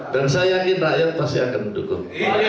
dan saya yakin rakyat pasti akan mendukung